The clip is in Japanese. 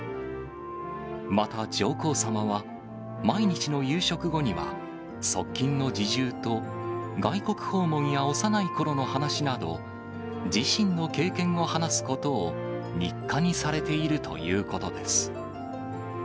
また、上皇さまは毎日の夕食後には側近の侍従と外国訪問や幼いころの話など、自身の経験を話すことを日課にされているということです。